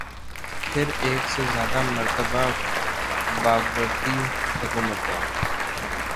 پھر ایک سے زیادہ مرتبہ باوردی حکومتیں۔